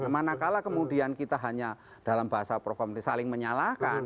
manakala kemudian kita hanya dalam bahasa prof hamdi saling menyalahkan